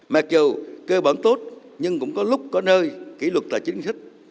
mặc dù cơ bản tốt nhưng cũng có lúc có nơi kỷ luật tài chính thích